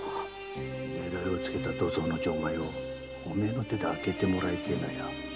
狙いをつけた土蔵の錠前をお前の手で開けてもらいてえ。